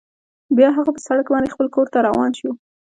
بیا هغه په سړک باندې خپل کور ته روان شو